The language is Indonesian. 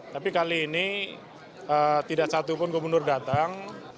tapi kali ini tidak satu pun gubernur datang